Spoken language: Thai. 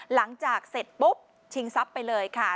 หลังจากเสร็จปุ๊บชิงทรัพย์ไปเลยค่ะ